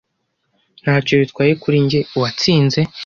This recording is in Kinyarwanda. Ntacyo bitwaye kuri njye uwatsinze.